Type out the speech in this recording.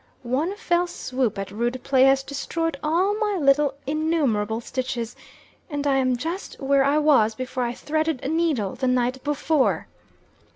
One fell swoop at rude play has destroyed all my little innumerable stitches; and I am just where I was before I threaded a needle the night before!